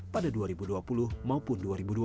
pada dua ribu dua puluh maupun dua ribu dua puluh